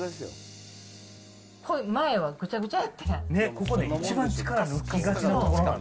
前はぐちゃぐちゃやってん。